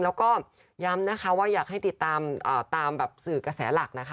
แล้วก็ย้ำนะคะว่าอยากให้ติดตามแบบสื่อกระแสหลักนะคะ